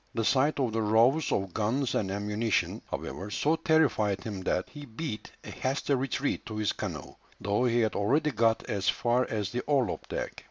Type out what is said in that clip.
The sight of the rows of guns and ammunition, however, so terrified him that he beat a hasty retreat to his canoe, though he had already got as far as the orlop deck.